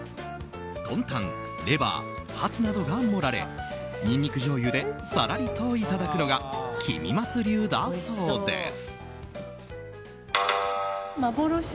豚タン、レバーハツなどが盛られニンニクじょうゆでさらりといただくのが喜美松流だそうです。